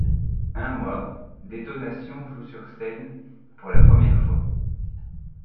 Un mois, Detonation joue sur scène pour la première fois.